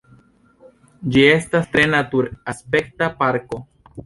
Ĝi estas tre natur-aspekta parko.